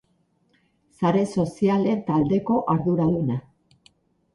Sare sozialen taldeko arduraduna.